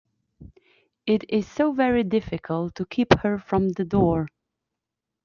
It is so very difficult to keep her from the door.